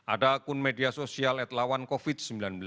ada akun media sosial atlawan covid sembilan belas